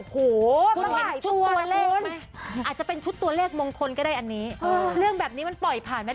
โถซิชาติอาจจะเป็นชุดตัวเลขมงคลก็ได้อันนี้เรื่องแบบนี้มันปล่อยผ่านไปแล้วจริง